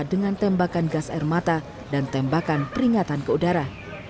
dengan tembakan gas air mata dan tembakan peringatan ke udara